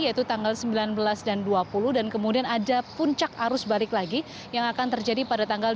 yaitu tanggal sembilan belas dan dua puluh dan kemudian ada puncak arus balik lagi yang akan terjadi pada tanggal dua puluh